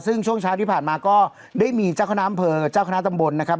ซึ่งช่วงเช้าที่ผ่านมาก็ได้มีเจ้าคณะอำเภอเจ้าคณะตำบลนะครับ